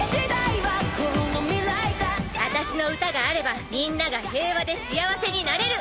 あたしの歌があればみんなが平和で幸せになれる！